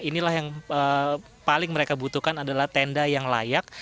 inilah yang paling mereka butuhkan adalah tenda yang layak